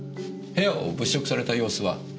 部屋を物色された様子は？